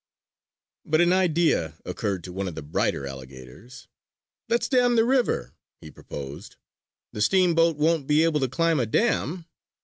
But an idea occurred to one of the brighter alligators: "Let's dam the river!" he proposed. "The steamboat won't be able to climb a dam!"